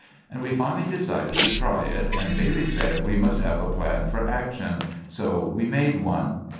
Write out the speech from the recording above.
And we finally desided to try it, and Bailey sed we must have a plan of ackshun; so we made one.